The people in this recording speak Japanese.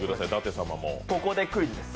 ここでクイズです。